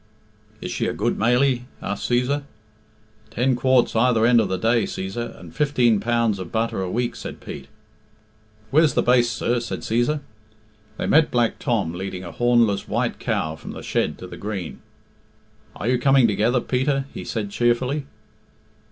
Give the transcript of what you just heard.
"Is she a good mailie?" asked Cæsar. "Ten quarts either end of the day, Cæsar, and fifteen pounds of butter a week," said Pete. "Where's the base, sir?" said Cæsar. They met Black Tom leading a hornless, white cow from the shed to the green. "Are you coming together, Peter?" he said cheerfully.